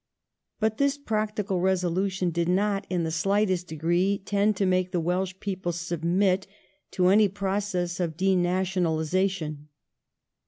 But this practical resolution did not in the slightest degree tend to make the Welsh people submit to any process of denationalisation.